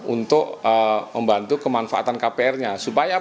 untuk membantu kemanfaatan kpr nya